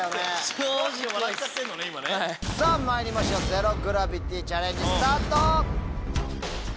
さぁまいりましょうゼロ・グラビティチャレンジスタート！